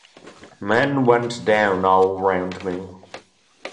Men went down all round me.